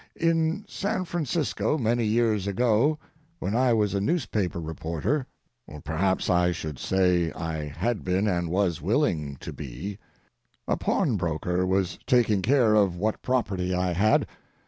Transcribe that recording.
In San Francisco, many years ago, when I was a newspaper reporter (perhaps I should say I had been and was willing to be), a pawnbroker was taking care of what property I had.